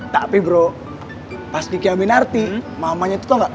tapi bro pas dikiamin arti mamanya itu tau gak